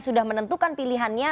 sudah menentukan pilihannya